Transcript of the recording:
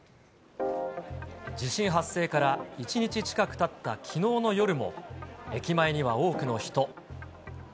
地震発生から１日近くたったきのうの夜も、駅前には多くの人。